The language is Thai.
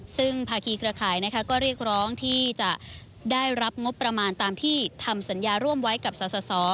ซึ่งภาคีเครือข่ายก็เรียกร้องที่จะได้รับงบประมาณตามที่ทำสัญญาร่วมไว้กับสส